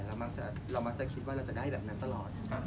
เรามักจะคิดว่าเราจะได้แบบนั้นตลอด